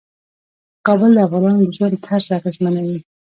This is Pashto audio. کابل د افغانانو د ژوند طرز اغېزمنوي.